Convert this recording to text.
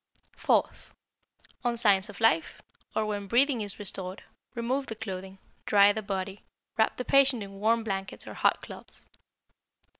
Fourth On signs of life, or when breathing is restored, remove the clothing, dry the body, wrap the patient in warm blankets or hot cloths.